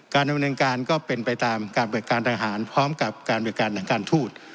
การทำเนินการก็เป็นไปตามการปฏิบัติการทางหารพร้อมกับการปฏิบัติการหลักการทูต